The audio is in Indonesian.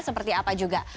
seperti apa juga